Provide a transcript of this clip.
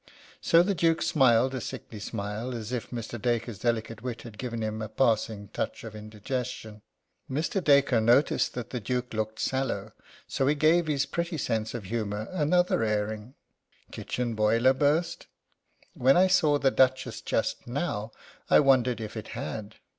So the Duke smiled a sickly smile, as if Mr. Dacre's delicate wit had given him a passing touch of indigestion. Mr. Dacre noticed that the Duke looked sallow, so he gave his pretty sense of humour another airing: "Kitchen boiler burst? When I saw the Duchess just now I wondered if it had."